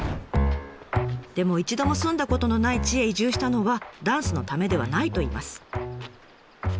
でも一度も住んだことのない地へ移住したのはダンスのためではないといいます。